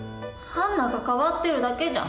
杏奈が変わってるだけじゃん。